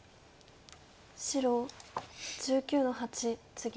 白１９の八ツギ。